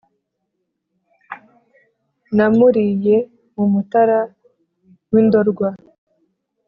namuriye mu mutara w'i ndorwa